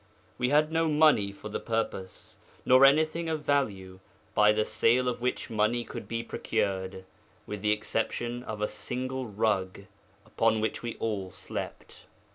We had no money for the purpose, nor anything of value by the sale of which money could be procured, with the exception of a single rug, upon which we all slept.